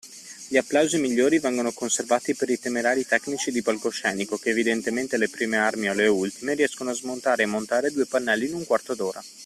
Gli applausi migliori vengono conservati per i temerari tecnici di palcoscenico che, evidentemente alle prime armi o alle ultime, riescono a smontare e montare due pannelli in un quarto d’ora.